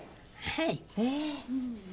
はい。